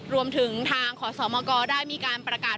รวมถึงทางขอสมกได้มีการประกาศ